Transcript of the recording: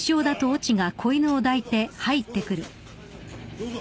どうぞ！